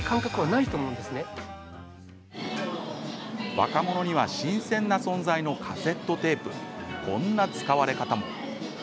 若者には新鮮な存在のカセットテープこんな使われ方も。